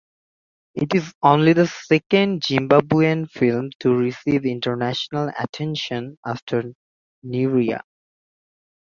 It is only the second Zimbabwean film to receive international attention after "Neria".